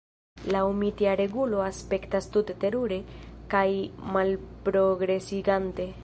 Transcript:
Laŭ mi tia regulo aspektas tute terure kaj malprogresigante.